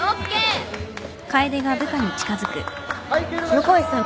横井さん